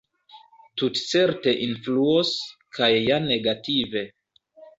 Tutcerte influos, kaj ja negative.